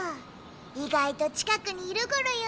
いがいと近くにいるゴロよ。